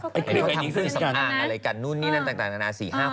ทำสำอางอะไรกันนู่นนี่นั่นต่าง